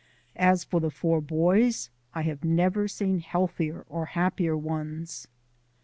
As for the four boys, I have never seen healthier or happier ones.